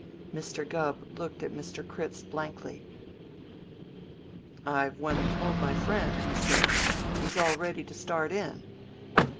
Mr. Gubb looked at Mr. Critz blankly. "I've went and told my friend," he said. "He's all ready to start in."